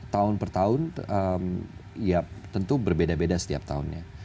tahun per tahun ya tentu berbeda beda setiap tahunnya